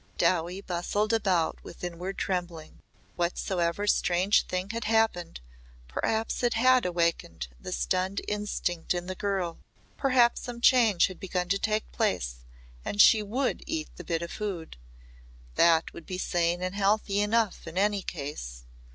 Dowie bustled about with inward trembling. Whatsoever strange thing had happened perhaps it had awakened the stunned instinct in the girl perhaps some change had begun to take place and she would eat the bit of food. That would be sane and healthy enough in any case.